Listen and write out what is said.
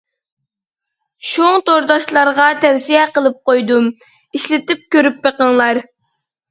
شۇڭ تورداشلارغا تەۋسىيە قىلىپ قويدۇم، ئىشلىتىپ كۆرۈپ بېقىڭلار.